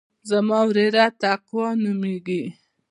زما وريره تقوا نوميږي.